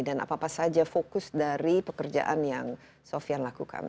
dan apa apa saja fokus dari pekerjaan yang sofian lakukan